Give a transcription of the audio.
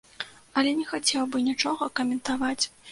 Але не хацеў бы нічога каментаваць.